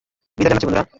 বিদায় জানাচ্ছি, বন্ধুরা!